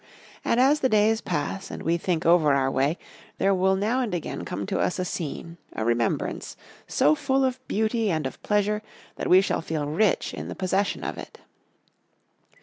And as the days pass and we think over our way there will now and again come to us a scene, a remembrance, so full of beauty and of pleasure that we shall feel rich in the possession of it.